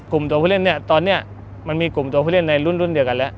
ตัวผู้เล่นเนี่ยตอนนี้มันมีกลุ่มตัวผู้เล่นในรุ่นเดียวกันแล้ว